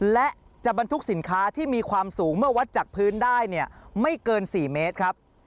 และจะบรรทุกสินค้าที่มีความสูงเมื่อวัดจากพื้นได้เนี่ยไม่เกิน๔เมตรครับ